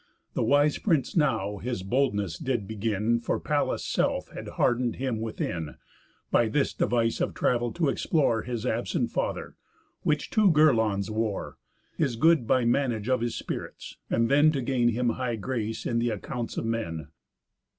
The wise prince now his boldness did begin, For Pallas' self had harden'd him within, By this device of travel to explore His absent father; which two girlonds wore; His good by manage of his spirits; and then To gain him high grace in th' accounts of men.